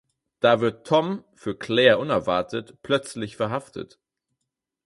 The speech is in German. Da wird Tom, für Claire unerwartet, plötzlich verhaftet.